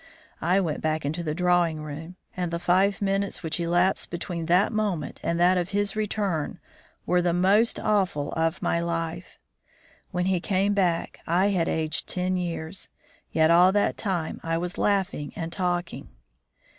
I went back into the drawing room, and the five minutes which elapsed between that moment and that of his return were the most awful of my life. When he came back I had aged ten years, yet all that time I was laughing and talking.